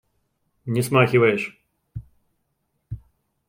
Не смахиваешь.